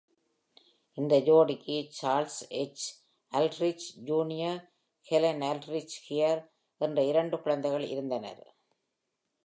இந்த ஜோடிக்கு Charles H. Aldrich, Junior, Helen Aldrich Hare என்ற இரண்டு குழந்தைகள் இருந்தனர்.